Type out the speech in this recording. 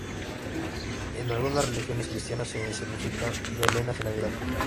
En algunas religiones cristianas se escenifican belenes en Navidad.